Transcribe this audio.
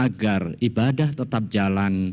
agar ibadah tetap jalan